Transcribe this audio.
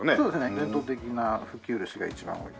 伝統的な拭き漆が一番多い。